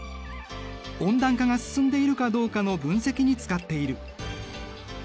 温暖化が進んでいるかどうかの分析に使っている。